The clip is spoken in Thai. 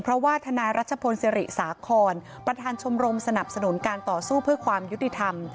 เพราะว่าทนายรัชพลศิริสาครประธานชมรมสนับสนุนการต่อสู้เพื่อความยุติธรรม